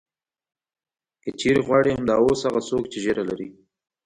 که چېرې غواړې همدا اوس هغه څوک چې ږیره لري.